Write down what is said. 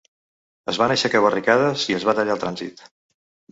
Es van aixecar barricades i es va tallar el trànsit.